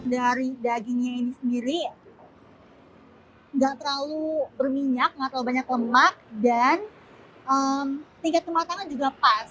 dari dagingnya ini sendiri nggak terlalu berminyak nggak terlalu banyak lemak dan tingkat kematangan juga pas